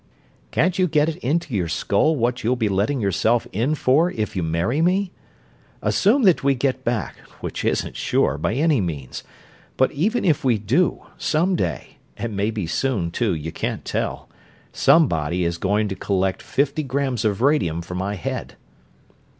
"Can't you get it into your skull what you'll be letting yourself in for if you marry me? Assume that we get back, which isn't sure, by any means. But even if we do, some day and maybe soon, too, you can't tell somebody is going to collect fifty grams of radium for my head."